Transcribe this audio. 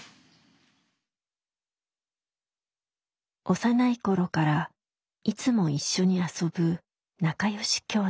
幼い頃からいつも一緒に遊ぶ仲よし姉弟。